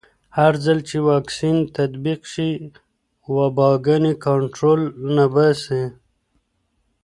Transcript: هرځل چې واکسین تطبیق شي، وباګانې کنټرول نه باسي.